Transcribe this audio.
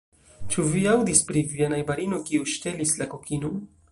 Ĉu vi aŭdis pri via najbarino kiu ŝtelis la kokinon?